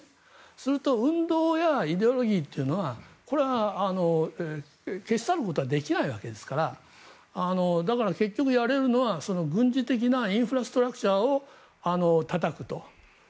すると運動やイデオロギーというのはこれは消し去ることはできないわけですからだから結局やれるのは軍事的なインフラストラクチャーをたたくと。